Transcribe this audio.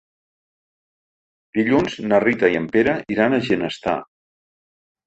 Dilluns na Rita i en Pere iran a Ginestar.